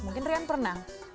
mungkin rian pernah